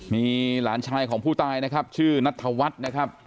มีหลานชายของผู้ตายนะครับชื่อนัทธวัฒน์นะครับ